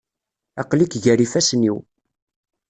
Aql-ik gar yifassen-iw.